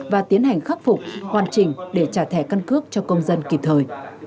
và tiến hành khắc phục hoàn chỉnh để trả thẻ căn cước cho công dân kịp thời